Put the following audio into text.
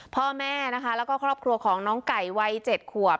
พ่อแม่นะคะแล้วก็ครอบครัวของน้องไก่วัย๗ขวบ